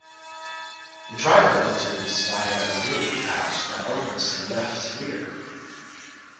The driver enters via a roof hatch that opens to the left rear.